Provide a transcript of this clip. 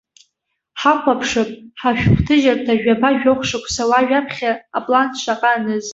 Ҳахәаԥшып ҳашәҟәҭыжьра жәаба-жәохә шықәса уажәаԥхьа аплан шаҟа аныз.